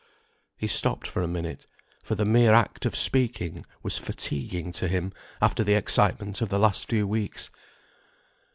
He stopped for a minute, for the mere act of speaking was fatiguing to him after the excitement of the last few weeks.